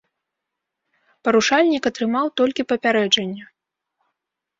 Парушальнік атрымаў толькі папярэджанне.